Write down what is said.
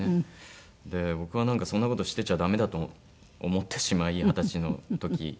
僕はそんな事してちゃダメだと思ってしまい二十歳の時。